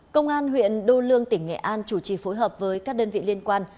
công an huyện đô lương tỉnh nghệ an chủ trì phối hợp với các đơn vị liên quan